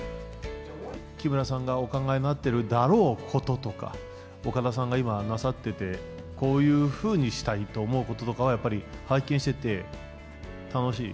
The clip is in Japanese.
木村さんがお考えになっているだろうこととか、岡田さんが今、なさってて、こういうふうにしたいと思うこととかをやっぱり拝見してて楽しい。